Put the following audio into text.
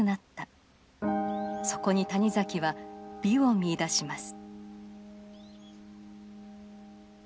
そこに谷崎は美を見いだします。